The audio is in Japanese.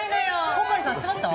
穂刈さん知ってました？